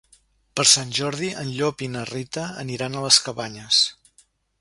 Per Sant Jordi en Llop i na Rita aniran a les Cabanyes.